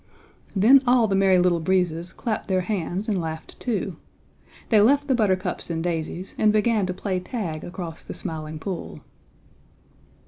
Then all the Merry Little Breezes clapped their hands and laughed too. They left the buttercups and daisies and began to play tag across the Smiling Pool.